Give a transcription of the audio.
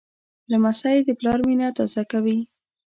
لمسی د پلار مینه تازه کوي.